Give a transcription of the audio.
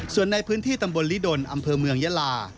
ส่วนในพื้นที่ตำบลลิดลอำเภอเมืองยาลา